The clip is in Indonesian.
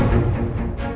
siapa yang bukulin kamu